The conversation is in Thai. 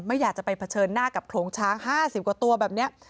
ไม่อยากจะไปเผชิญหน้ากับโขลงช้าง๕๐กว่าตัวแบบนี้